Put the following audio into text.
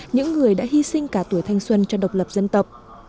những người đã hy sinh cả tuổi thanh xuân cho độc lập dân tộc